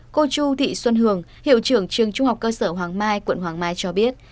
cô chu thị xuân hường hiệu trưởng trường trung học cơ sở hoàng mai quận hoàng mai cho biết